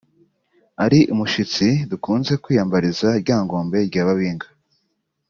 ari umushitsi dukunze kwiyambariza Ryangombe rya Babinga